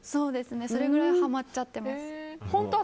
それくらいハマっちゃってます。